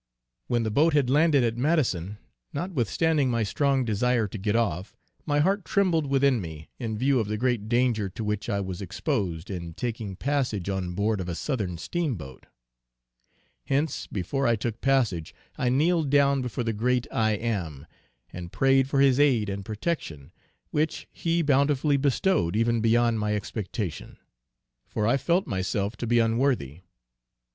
When the boat had landed at Madison, notwithstanding my strong desire to get off, my heart trembled within me in view of the great danger to which I was exposed in taking passage on board of a Southern Steamboat; hence before I took passage, I kneeled down before the Great I Am, and prayed for his aid and protection, which He bountifully bestowed even beyond my expectation; for I felt myself to be unworthy.